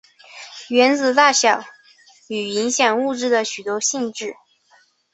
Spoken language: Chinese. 原子的大小与影响物质的许多性质。